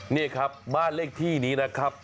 นี่ครับบ้านเลขที่นี้นะครับ